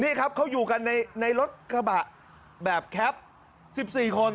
นี่ครับเขาอยู่กันในรถกระบะแบบแคป๑๔คน